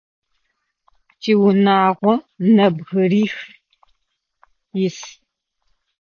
Тиунагъо нэбгырих ис.